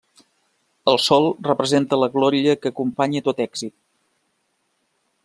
El sol representa la glòria que acompanya tot èxit.